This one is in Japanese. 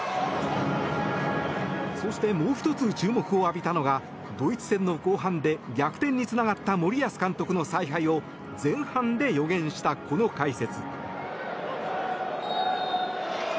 そして、もう１つ注目を浴びたのがドイツ戦の後半で逆転につながった森保監督の采配を前半で予言した、この解説。